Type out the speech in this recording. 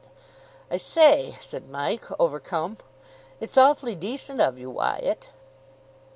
"I say," said Mike, overcome, "it's awfully decent of you, Wyatt."